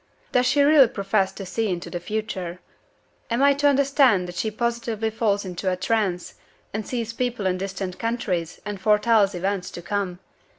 Does she really profess to see into the future? Am I to understand that she positively falls into a trance, and sees people in distant countries, and foretells events to come?